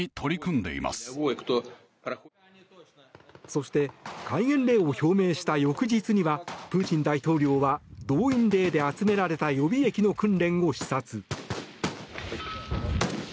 そして戒厳令を表明した翌日にはプーチン大統領は動員令で集められた予備役の訓練を視察。